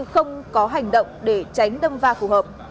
không có hành động để tránh đâm va phù hợp